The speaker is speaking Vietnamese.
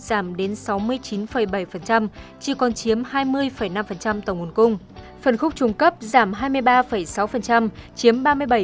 giảm đến sáu mươi chín bảy chỉ còn chiếm hai mươi năm tổng nguồn cung phân khúc trung cấp giảm hai mươi ba sáu chiếm ba mươi bảy